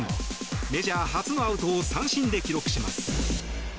メジャー初のアウトを三振で記録します。